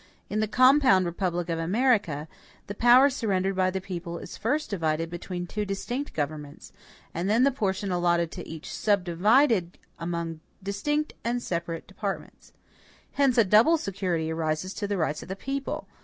In the compound republic of America, the power surrendered by the people is first divided between two distinct governments, and then the portion allotted to each subdivided among distinct and separate departments. Hence a double security arises to the rights of the people.